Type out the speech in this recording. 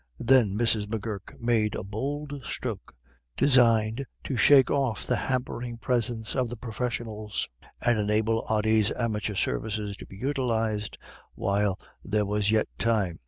Then Mrs. M'Gurk made a bold stroke, designed to shake off the hampering presence of the professionals, and enable Ody's amateur services to be utilized while there was yet time.